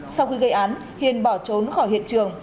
sau khi gây án hiền bỏ trốn khỏi hiện trường